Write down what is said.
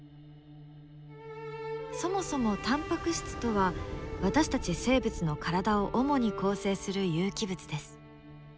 そもそもタンパク質とは私たち生物の体を主に構成する有機物です。